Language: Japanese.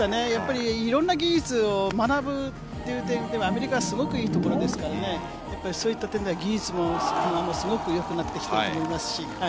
色んな技術を学ぶという点ではアメリカはすごくいいところですからそういった点では技術がすごくよくなってきていると思いますし。